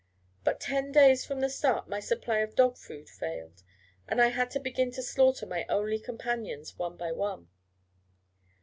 But ten days from the start my supply of dog food failed, and I had to begin to slaughter my only companions, one by one.